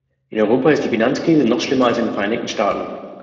In Europa ist die Finanzkrise noch schlimmer als in den Vereinigten Staaten.